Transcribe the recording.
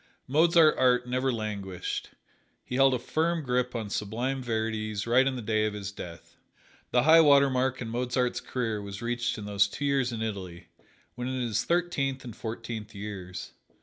Mozart's art never languished: he held a firm grip on sublime verities right to the day of his death. The high water mark in Mozart's career was reached in those two years in Italy, when in his thirteenth and fourteenth years.